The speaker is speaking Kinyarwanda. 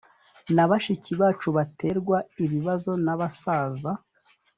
na bashiki bacu baterwa ibibazo n abasaza